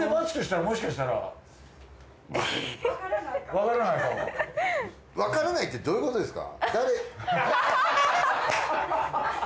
分からないってどういうことですか？